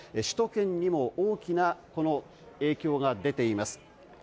首都圏にも大きな影響が出ています。